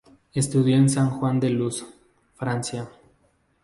Estudió en San Juan de Luz, Francia.